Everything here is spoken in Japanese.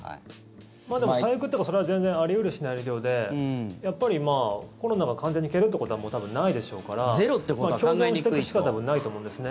でも、最悪っていうかそれは全然あり得るシナリオでやっぱり、コロナが完全に消えるということはないでしょうから共存していくしか、多分ないと思うんですね。